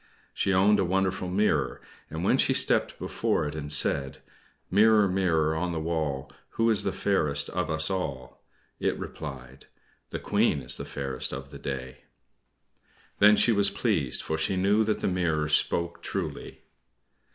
She owned a wonderful mirror, and when she stepped before it and said: "Mirror, mirror on the wall, Who is the fairest of us all?" it replied: "The Queen is the fairest of the day." Then she was pleased, for she knew that the mirror spoke truly.